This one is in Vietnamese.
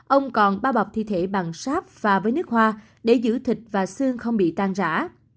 ông còn bao bọc thi thể bằng sáp và với nước hoa để giữ thịt và xương không bị tan rã